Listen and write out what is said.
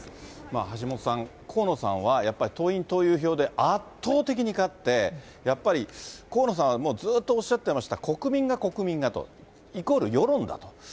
橋下さん、河野さんはやっぱり、党員・党友票で圧倒的に勝って、やっぱり河野さんはもうずっとおっしゃってました、国民が国民がと、イコール世論だと。